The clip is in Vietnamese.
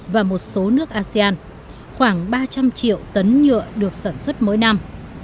và một số nước asean khoảng ba trăm linh triệu tấn nhựa được sản xuất mỗi năm